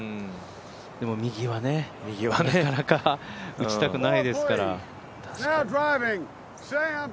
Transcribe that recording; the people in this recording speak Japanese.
でも右はね、なかなか打ちたくないですから。